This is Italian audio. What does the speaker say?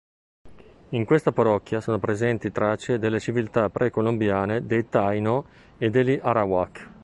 In questa parrocchia sono presenti tracce delle civiltà precolombiane dei Taino e degli Arawak.